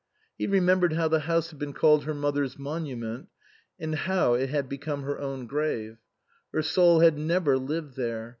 He remembered how the house had been called her mother's monument, and how it had become her own grave. Her soul had never lived there.